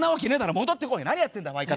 戻ってこい何やってんだ相方！